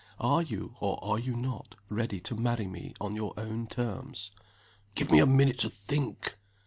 Are you, or are you not, ready to marry me on your own terms?" "Give me a minute to think!"